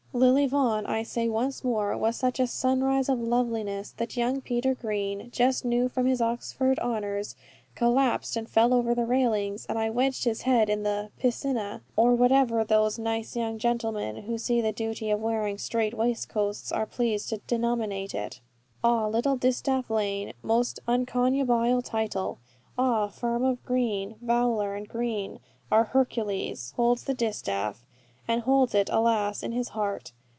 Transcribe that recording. Lily Vaughan, I say once more, was such a sunrise of loveliness, that young Peter Green, just new from his Oxford honours, collapsed, and fell over the railings, and wedged his head in the "piscina," or whatever those nice young gentlemen, who see the duty of wearing strait waistcoats, are pleased to denominate it. Ah, Little Distaff Lane, most unconnubial title, ah firm of Green, Vowler, and Green, your Hercules holds the distaff, and holds it, alas, in his heart!